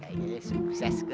kayaknya sukses gue